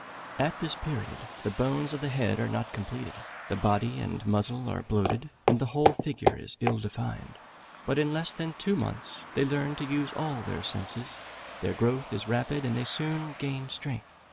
At this period, the bones of the head are not completed, the body and muzzle are bloated, and the whole figure is ill defined; but in less than two months, they learn to use all their senses; their growth is rapid, and they soon gain strength.